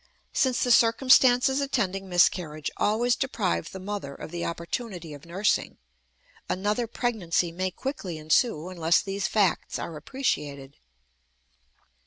Since the circumstances attending miscarriage always deprive the mother of the opportunity of nursing, another pregnancy may quickly ensue unless these facts are appreciated.